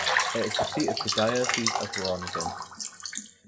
It is the seat of the Diocese of Borongan.